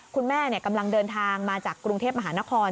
กำลังเดินทางมาจากกรุงเทพมหานคร